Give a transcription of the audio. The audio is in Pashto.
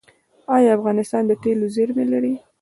آیا افغانستان د تیلو زیرمې لري؟